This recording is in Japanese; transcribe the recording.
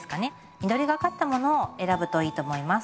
緑がかったものを選ぶといいと思います。